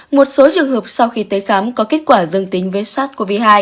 một số trường hợp sau khi tới khám có kết quả dương tính với sars cov hai